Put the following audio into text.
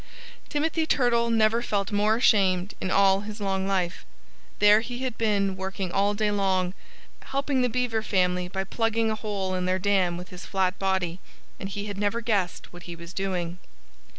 Timothy Turtle never felt more ashamed in all his long life. There he had been working all day long, helping the Beaver family by plugging a hole in their dam with his flat body and he had never guessed what he was doing!